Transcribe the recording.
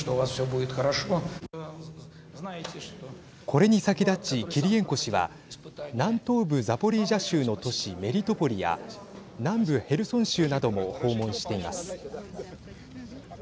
これに先立ち、キリエンコ氏は南東部ザポリージャ州の都市メリトポリや南部ヘルソン州なども訪問しています。